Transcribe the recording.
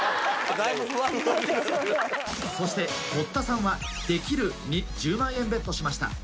そして堀田さんは「できる」に１０万円ベットしました。